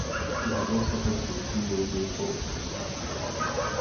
He has also hosted two radio talk shows.